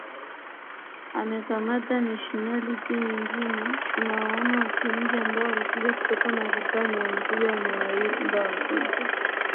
amekamata nationality nyingine ya tunawaona watu wengi ambao walikuja kutoka marekani walikuja wamewaimba watoto